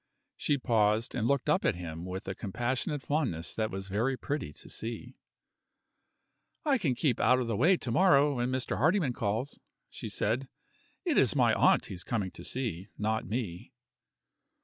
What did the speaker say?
She paused, and looked up at him with a compassionate fondness that was very pretty to see. "I can keep out of the way to morrow, when Mr. Hardyman calls," she said. "It is my aunt he is coming to see not me."